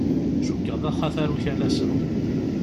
Cukkeɣ d axatar ukalas-a.